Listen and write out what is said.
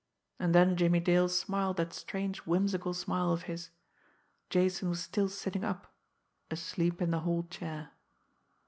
And then Jimmie Dale smiled that strange whimsical smile of his. Jason was still sitting up asleep in the hall chair.